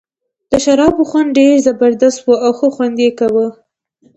د شرابو خوند ډېر زبردست وو او ښه خوند یې کاوه.